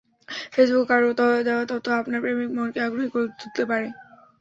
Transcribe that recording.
ফেসবুকে কারও দেওয়া তথ্য আপনার প্রেমিক মনকে আগ্রহী করে তুলতে পারে।